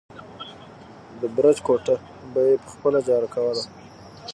د برج کوټه به يې په خپله جارو کوله.